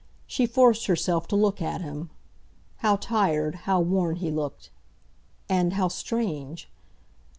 She forced herself to look at him. How tired, how worn, he looked, and—how strange!